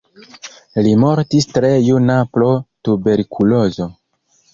Li mortis tre juna pro tuberkulozo.